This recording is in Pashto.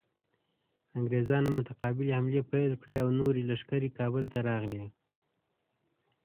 انګریزانو متقابلې حملې پیل کړې او نورې لښکرې کابل ته راغلې.